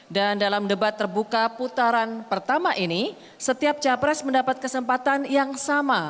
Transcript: dan dalam debat terbuka putaran pertama ini setiap capres mendapat kesempatan yang sama